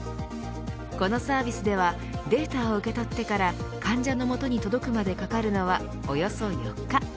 このサービスではデータを受け取ってから患者の元に届くまでかかるのはおよそ４日。